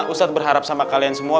ustadz berharap sama kalian semua